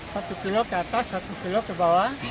satu kilo ke atas satu kilo ke bawah